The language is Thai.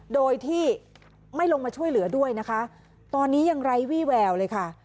โดยที่ไม่ลงมาช่วยเหลือด้วยนะคะตอนนี้ยังไร้วี่แววเลยค่ะ